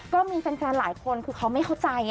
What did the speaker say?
ก็มีแฟนหลายคนคือเขาไม่เข้าใจ